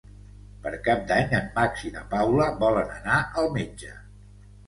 Per Cap d'Any en Max i na Paula volen anar al metge.